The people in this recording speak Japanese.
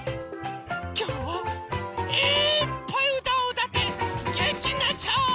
きょうはいっぱいうたをうたってげんきになっちゃおう！